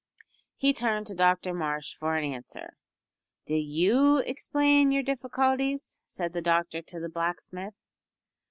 He turned to Dr Marsh for an answer. "Do you explain your difficulties," said the doctor to the blacksmith.